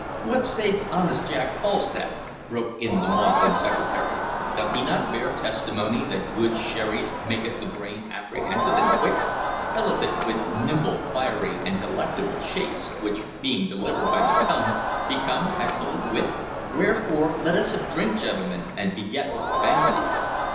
"What saith honest Jack Falstaff?" broke in the maudlin Secretary. "Doth he not bear testimony that good sherris maketh the brain apprehensive and quick; filleth it with nimble, fiery, and delectable shapes, which being delivered by the tongue become excellent wit? Wherefore let us drink, gentlemen, and beget fancies."